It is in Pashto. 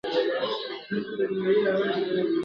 ما پر منبر د خپل بلال ږغ اورېدلی نه دی ..